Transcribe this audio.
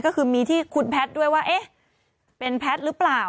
ก็คือมีที่คุณพลัสด้วยว่าแอ้ะเป็นพลัสหรือเปล่า